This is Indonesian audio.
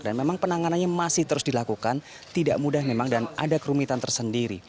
dan memang penanganannya masih terus dilakukan tidak mudah memang dan ada kerumitan tersendiri